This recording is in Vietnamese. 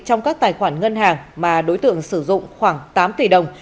trong các tài khoản ngân hàng mà đối tượng sử dụng khoảng tám tỷ đồng